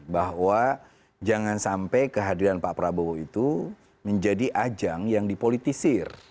bahwa jangan sampai kehadiran pak prabowo itu menjadi ajang yang dipolitisir